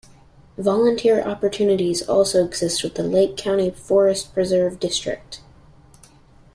Volunteer opportunities also exist with the Lake County Forest Preserve District.